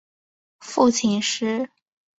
父亲是。